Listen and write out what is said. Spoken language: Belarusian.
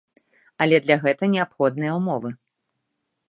Але для гэта неабходныя ўмовы.